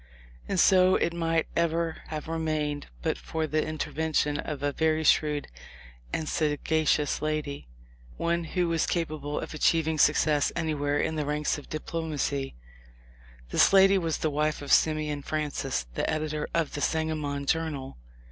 And so it might ever have remained but for the intervention of a very shrewd and sagacious lady — one who was capable of achieving success anywhere in the ranks of diplo 226 THE LIFE 0F LINCOLN. macy. This lady was the wife of Simeon Francis, the editor of the Sangamon Journal.